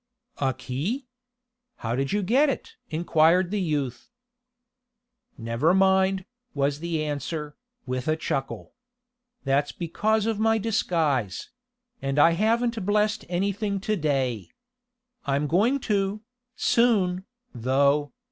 "A key? How did you get it?" inquired the youth. "Never mind," was the answer, with a chuckle. "That was because of my disguise; and I haven't blessed anything to day. I'm going to, soon, though.